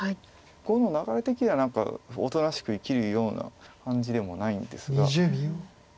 碁の流れ的には何かおとなしく生きるような感じでもないんですが。